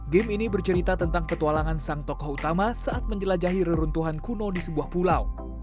game ini bercerita tentang petualangan sang tokoh utama saat menjelajahi reruntuhan kuno di sebuah pulau